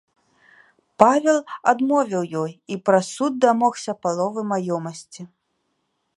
Павел адмовіў ёй і праз суд дамогся паловы маёмасці.